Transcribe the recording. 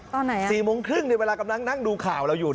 ตอนไหน๔โมงครึ่งเวลากำลังนั่งดูข่าวเราอยู่